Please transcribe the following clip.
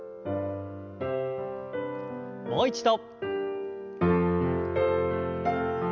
もう一度。